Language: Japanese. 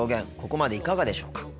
ここまでいかがでしょうか。